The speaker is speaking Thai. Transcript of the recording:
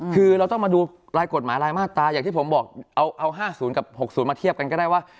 คือเราต้องมาดูรายกฎหมายรายมาตราอย่างที่ผมบอกเอา๕๐กับ๖๐มาเทียบกันก็ได้ว่า